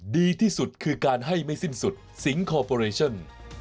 ดีที่สุดคือการให้ไม่สิ้นสุดสิงคอร์ปอเรชั่น